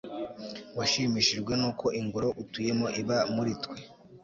washimishijwe n'uko ingoro utuyemo iba muri twe